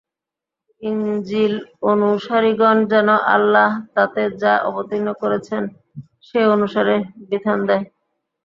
ইনজীল অনুসারীগণ যেন আল্লাহ তাতে যা অবতীর্ণ করেছেন, সে অনুসারে বিধান দেয়।